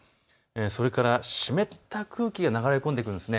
それから湿った空気が流れ込んでくるんです。